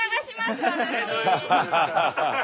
ハハハハハ！